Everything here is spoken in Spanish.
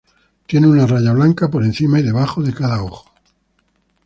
Tienen una raya blanca por encima y debajo de cada ojo.